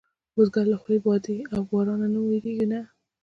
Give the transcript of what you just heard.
بزګر له خولې، بادې او بارانه نه وېرېږي نه